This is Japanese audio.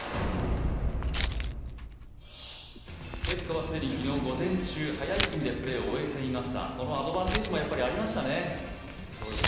ケプカは既に昨日午前中早い組でプレーを終えていました、そのアドバンテージもありましたね。